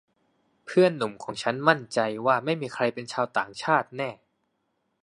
เพื่อนหนุ่มของฉันมั่นใจว่าไม่มีใครเป็นชาวต่างชาติแน่